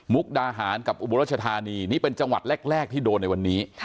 ดาหารกับอุบรัชธานีนี่เป็นจังหวัดแรกที่โดนในวันนี้